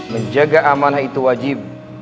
menjaga amanah itu wajib